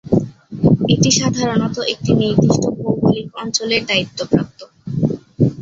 এটি সাধারণত একটি নির্দিষ্ট ভৌগোলিক অঞ্চলের দায়িত্ব প্রাপ্ত।